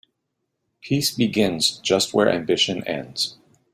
Peace begins just where ambition ends.